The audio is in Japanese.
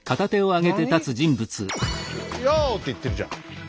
「よう！」って言ってんじゃん。